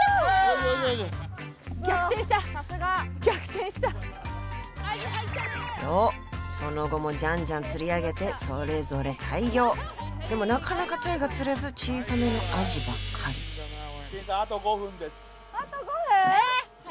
さすがよっその後もじゃんじゃん釣り上げてそれぞれ大漁でもなかなかタイが釣れず小さめのアジばっかりあと５分？え早